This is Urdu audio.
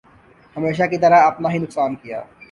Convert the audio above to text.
ہمیشہ کی طرح اپنا ہی نقصان کیا ۔